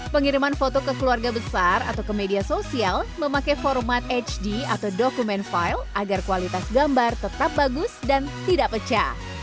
pengiriman foto ke keluarga besar atau ke media sosial memakai format hd atau dokumen file agar kualitas gambar tetap bagus dan tidak pecah